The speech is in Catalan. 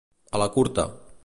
A la curta.